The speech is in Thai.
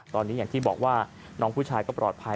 ตอนนี้อย่างที่บอกว่าน้องผู้ชายก็ปลอดภัย